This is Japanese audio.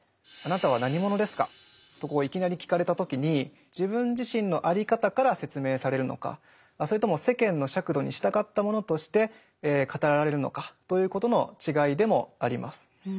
「あなたは何者ですか？」といきなり聞かれた時に自分自身のあり方から説明されるのかそれとも世間の尺度に従ったものとして語られるのかということの違いでもあります。